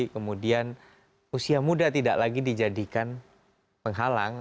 kemudian usia muda tidak lagi dijadikan penghalang